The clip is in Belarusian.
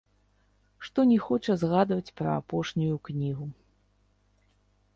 Што не хоча згадваць пра апошнюю кнігу.